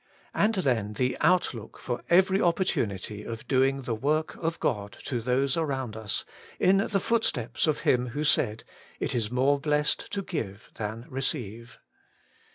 And then the outlook for every opportunity of doing the work of God to those around us, in the footsteps of Him who said, ' It is more blessed to give than receive.'